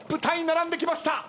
並んできました。